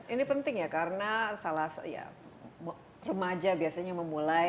ini penting ya karena remaja biasanya memulai